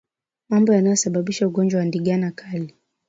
Mambo yanayosababisha ugonjwa wa ndigana kali